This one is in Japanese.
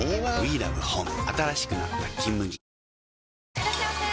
いらっしゃいませ！